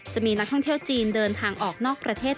จะมีนักท่องเที่ยวจีนเดินทางออกนอกประเทศ